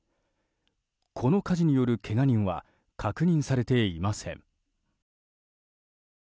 この火事によるけが人は確認されていません。